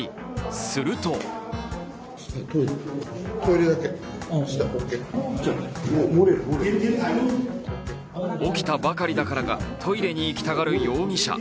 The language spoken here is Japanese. すると起きたばかりだからか、トイレに行きたがる容疑者。